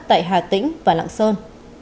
tại hà tĩnh và lạng sơn